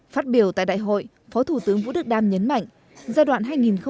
phát biểu tại đại hội phó thủ tướng vũ đức đam nhấn mạnh giai đoạn hai nghìn hai mươi hai nghìn hai mươi năm